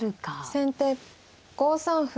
先手５三歩。